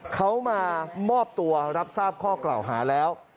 เขามามอบตัวรับทราบข้อกล่าวหาแล้ว